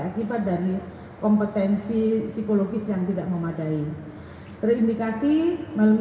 akibat dari kompetensi psikologis yang tidak memadai terindikasi melengkapi kekerasan seksual